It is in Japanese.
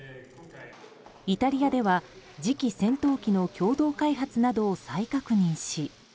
イタリアでは次期戦闘機の共同開発などを再確認し。